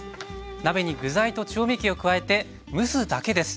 鍋に具材と調味料を加えて蒸すだけです。